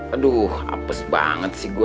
aduh apes banget sih gue